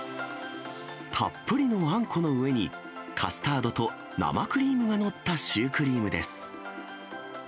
たっぷりのあんこの上に、カスタードと生クリームが載ったシュークリームです。